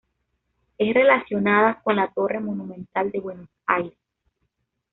Es relacionada con la Torre Monumental de Buenos Aires.